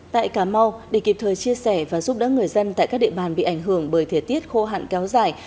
tại cà mau để kịp thời chia sẻ và giúp đỡ người dân tại các địa bàn bị ảnh hưởng bởi thể tiết khô hạn kéo dài